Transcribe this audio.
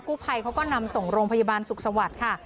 ผู้ภัยเขาก็นำส่งโรงพยาบาลสุขสวัสดิ์ค่ะ